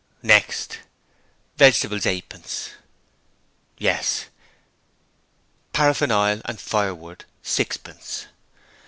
'Next?' 'Vegetables, eightpence.' 'Yes.' 'Paraffin oil and firewood, sixpence.'